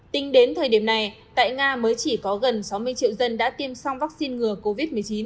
tính đến thời điểm này tại nga mới chỉ có gần sáu mươi triệu dân đã tiêm xong vaccine ngừa covid một mươi chín